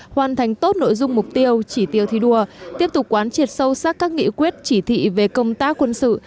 hoàn thành tốt nội dung mục tiêu chỉ tiêu thi đua tiếp tục quán triệt sâu sắc các nghị quyết chỉ thị về công tác quân sự